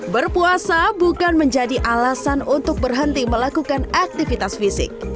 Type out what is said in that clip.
berpuasa bukan menjadi alasan untuk berhenti melakukan aktivitas fisik